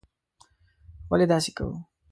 ولې داسې کوو.